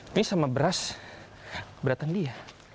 ini sama beras berat kan dia